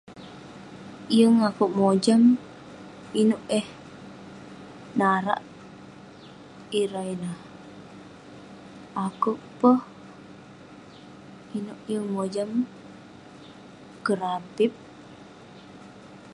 Yeng akouk mojam inouk eh narak ireh ineh. Akouk peh inouk yeng mojam kerapip.